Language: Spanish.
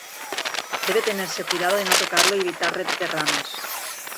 Debe tenerse cuidado de no tocarlo y evitar derrames.